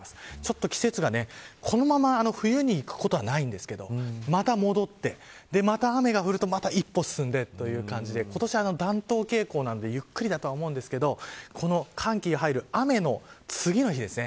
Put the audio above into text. ちょっと季節がこのまま冬にいくことはないんですけどまた戻って雨が降るとまた一歩進んでという感じで今年は暖冬傾向なのでゆっくりだと思うんですが寒気に入る雨の次の日ですね